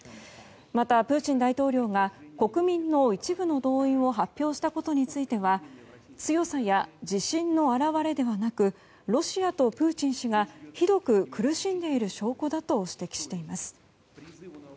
また、プーチン大統領が国民の一部の動員を発表したことについては強さや自信の表れではなくロシアとプーチン氏がひどく苦しんでいる証拠だと指摘しています。